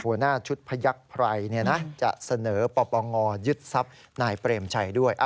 หัวหน้าชุดพระยักษ์ไพรเนี่ยนะจะเสนอประปังงอยึดทรัพย์นายเปรมชัยด้วย